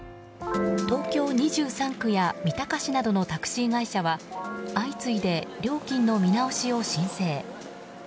東京２３区や三鷹市などのタクシー会社は相次いで、料金の見直しを申請。